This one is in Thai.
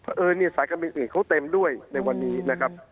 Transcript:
เออเนี่ยสายการบินอื่นเขาเต็มด้วยในวันนี้นะครับ